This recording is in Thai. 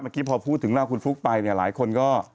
เมื่อกี้พอพูดถึงลาคุณฟุ๊กไปเนี่ยหลายคนก็